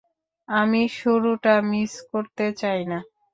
আমি শুরুটা মিস করতে চাই না।